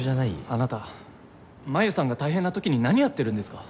あなた真夢さんが大変な時に何やってるんですか？